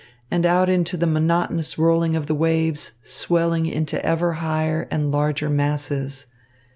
and out into the monotonous rolling of the waves, swelling into ever higher and larger masses.